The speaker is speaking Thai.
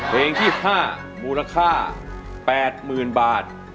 เพลงที่๕มูลค่า๘๐๐๐บาท